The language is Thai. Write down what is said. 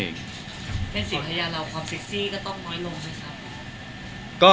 เพลงศิษยาเราความเซ็กซี่ก็ต้องน้อยลงไหมครับ